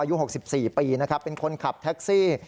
อายุ๖๔ปีเป็นคนขับแท็กซี่